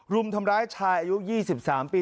รุมทำร้ายชายอายุ๒๓ปี